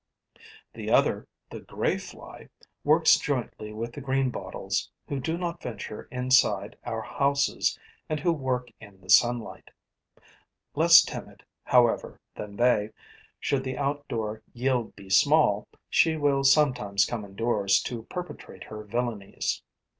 The other, the grey fly, works jointly with the greenbottles, who do not venture inside our houses and who work in the sunlight. Less timid, however, than they, should the outdoor yield be small, she will sometimes come indoors to perpetrate her villainies.